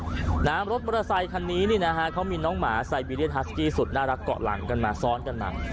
รถมรสตราไซด์คันนี้เขามีน้องหมาไซบิเรียนฮัสกี้สุดน่ารักเกาะหลังกับหมาซ้อนกันมา